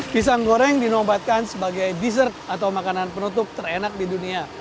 pisang goreng dinobatkan sebagai dessert atau makanan penutup terenak di dunia